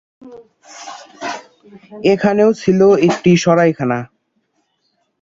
এখানেও ছিল একটি সরাইখানা।